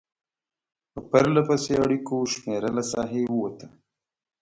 په پرلپسې اړیکو شمېره له ساحې ووته.